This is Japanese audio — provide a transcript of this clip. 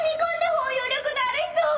包容力のある人！